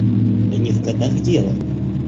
Да не в годах дело.